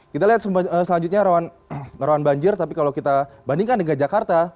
kita lihat selanjutnya rawan banjir tapi kalau kita bandingkan dengan jakarta